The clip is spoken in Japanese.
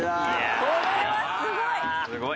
これはすごい！